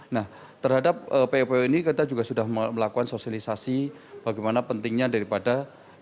nah terhadap po po ini kita juga sudah melakukan sosialisasi bagaimana pentingnya daripada